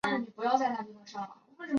京沈公路过境。